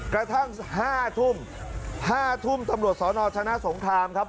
กระทั่งห้าทุ่มห้าทุ่มสำหรับสนชนะสงครามครับ